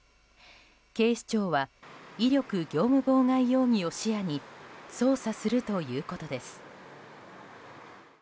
警視庁は威力業務妨害容疑を視野に捜査するということです。